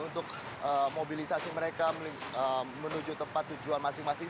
untuk mobilisasi mereka menuju tempat tujuan masing masing